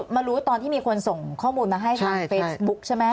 มารู้ตอนที่มีคนส่งข้อมูลมาให้ทางเฟซบุ๊คใช่ไหม